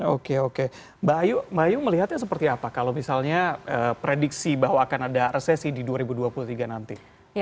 oke oke mbak ayu melihatnya seperti apa kalau misalnya prediksi bahwa akan ada resesi di dua ribu dua puluh tiga nanti